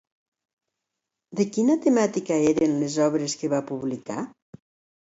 De quina temàtica eren les obres que va publicar?